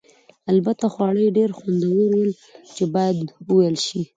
البته خواړه یې ډېر خوندور ول چې باید وویل شي.